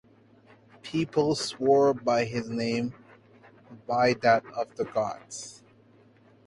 People swore by his name as by that of the gods.